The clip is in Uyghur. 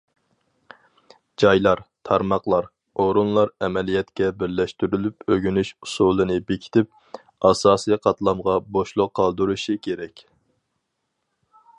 جايلار، تارماقلار، ئورۇنلار ئەمەلىيەتكە بىرلەشتۈرۈپ ئۆگىنىش ئۇسۇلىنى بېكىتىپ، ئاساسىي قاتلامغا بوشلۇق قالدۇرۇشى كېرەك.